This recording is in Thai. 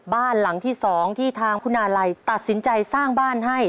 บ้านหลังที่๒ที่ทางคุณอาลัยตัดสินใจสร้างบ้านให้